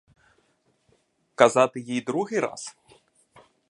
Казати їй другий раз?